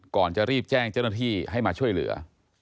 ก่อนจะรีบแจ้งเจ้าหน้าที่ให้มาช่วยเหลือ